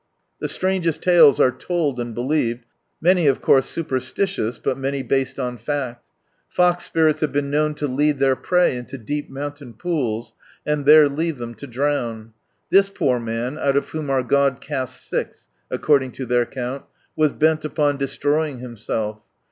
The strangest tales are told and believed, many of course superstitious, but many based on fact. Fox Spirits have been known to lead their prey into deep mountain pools, and there leave ihem to drown. This poor man, out of whom our God cast six, according to their count, was bent upon destroying himself.